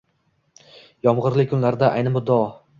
Yomg‘irli kunlarda ayni muddao